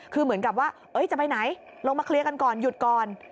คือเหมือนกับว่าจะไปไหนลงมาเคลียร์กันก่อนหยุดก่อน